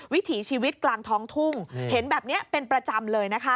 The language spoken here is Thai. วิถีชีวิตกลางท้องทุ่งเห็นแบบนี้เป็นประจำเลยนะคะ